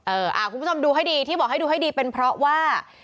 คุณผู้ชมดูให้ดีที่บอกให้ดูให้ดีเป็นเพราะว่า